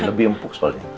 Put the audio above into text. lebih empuk soalnya